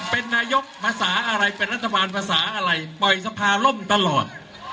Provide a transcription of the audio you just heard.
เป็นนายกภาษาอะไรเป็นรัฐบาลภาษาอะไรปล่อยสภาล่มตลอด